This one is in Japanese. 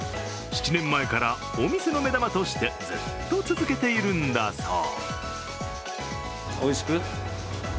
７年前からお店の目玉としてずっと続けているんだそう。